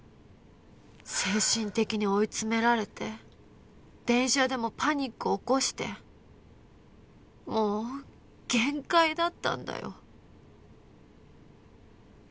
精神的に追い詰められて電車でもパニック起こしてもう限界だったんだよ